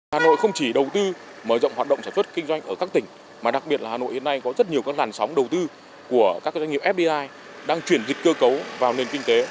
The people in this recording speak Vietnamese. hà nội không chỉ đầu tư mở rộng hoạt động sản xuất kinh doanh ở các tỉnh mà đặc biệt là hà nội hiện nay có rất nhiều các làn sóng đầu tư của các doanh nghiệp fdi đang chuyển dịch cơ cấu vào nền kinh tế